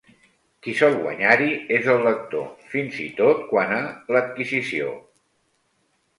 Qui sol guanyar-hi és el lector, fins i tot quant a l'adquisició